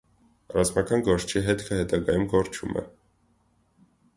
Ռազմական գործչի հետքը հետագայում կորչում է։